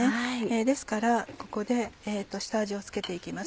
ですからここで下味を付けて行きます。